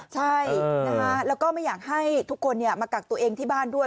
ใช่นะคะแล้วก็ไม่อยากให้ทุกคนมากักตัวเองที่บ้านด้วย